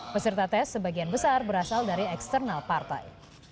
peserta tes sebagian besar berasal dari eksternal partai